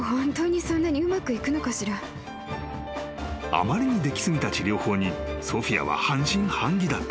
［あまりに出来過ぎた治療法にソフィアは半信半疑だった］